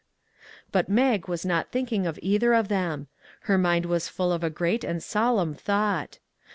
But Mag was not thinking of either of them ; her mind was full of a great and solemn thought.